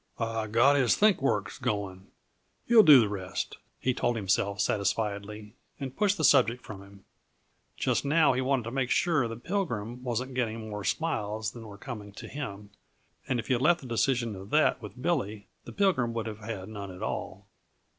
"I got his think works going he'll do the rest," he told himself satisfiedly, and pushed the subject from him. Just now he wanted to make sure the Pilgrim wasn't getting more smiles than were coming to him and if you had left the decision of that with Billy, the Pilgrim would have had none at all.